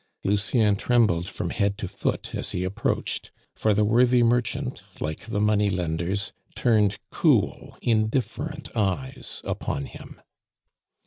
Lucien trembled from head to foot as he approached; for the worthy merchant, like the money lenders, turned cool, indifferent eyes upon him.